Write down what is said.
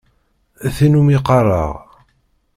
Tin umi qqareɣ.